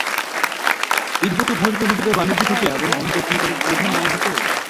তিব্বত ও ভারতের মধ্যকার বাণিজ্য থেকে এবং ভূমি কর থেকে তাদের প্রধান আয় হতো।